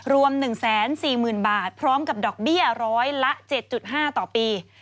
รวม๑๔๐๐๐บาทพร้อมกับดอกเบี้ยร้อยละ๗๕ต่อปี